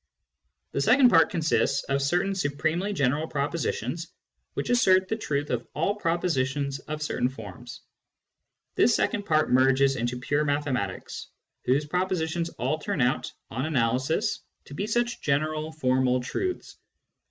The second part consists of certain supremely general propositions, which assert the truth of all propositions of certain forms. This second part merges into pure mathematics, whose propositions all turn out, on analysis, to be such general formal truths.